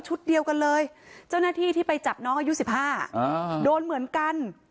เดียวกันเลยเจ้าหน้าที่ที่ไปจับน้องอายุ๑๕โดนเหมือนกัน